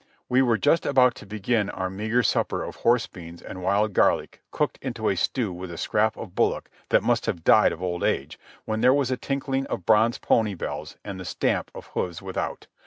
We were just about to begin on our meagre supper of horse beans and wild garlic cooked into a stew with a scrap of bullock that must have died of old age, when there was a tinkling of bronze pony bells and the stamp of hoofs without.